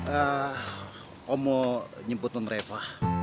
eh om mau nyebutin reva